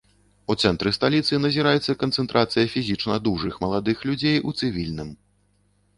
У цэнтры сталіцы назіраецца канцэнтрацыя фізічна дужых маладых людзей у цывільным.